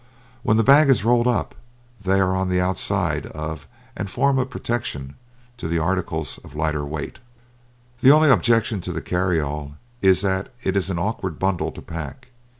When the bag is rolled up they are on the outside of and form a protection to the articles of lighter weight. The only objection to the carry all is that it is an awkward bundle to pack.